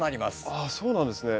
あそうなんですね。